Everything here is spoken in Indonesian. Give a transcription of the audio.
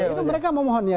itu mereka memohon ya